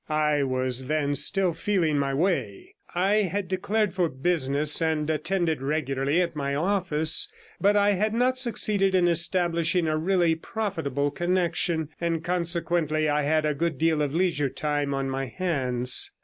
I was then still feeling my way; I had declared for business, and attended regularly at my office; but I had not succeeded in establishing a really profitable connection, and consequently I had a good deal of leisure time on my hands.